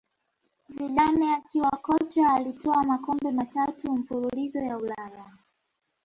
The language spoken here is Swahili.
Zidane akiwa kocha alitwaa makombe matatu mfululizo ya Ulaya